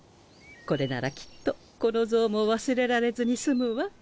これならきっとこの像も忘れられずに済むわ。